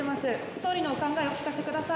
総理のお考えをお聞かせください。